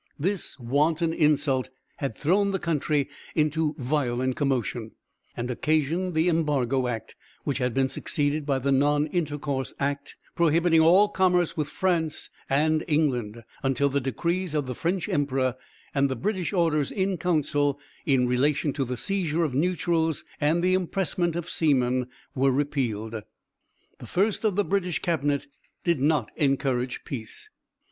This wanton insult had thrown the country into violent commotion, and occasioned the embargo act, which had been succeeded by the non intercourse act, prohibiting all commerce with France and England, until the decrees of the French emperor and the British orders in council in relation to the seizure of neutrals and the impressment of seamen were repealed. The first of the British cabinet did not encourage peace.